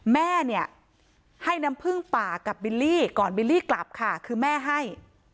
แม่เนี่ยให้น้ำผึ้งป่ากับบิลลี่ก่อนบิลลี่กลับค่ะคือแม่ให้